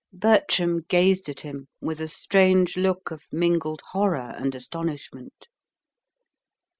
Bertram gazed at him with a strange look of mingled horror and astonishment.